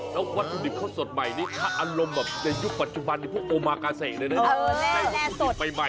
แล้ววัตถุดิบเข้าสดใหม่อารมณ์ในยุคปัจจุบันพวกโอมากาเศษเลยนะ